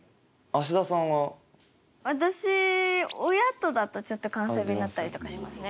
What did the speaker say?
私親とだとちょっと関西弁になったりとかしますね。